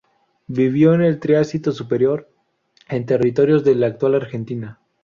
Vivió en el Triásico Superior, en territorios de la actual Argentina.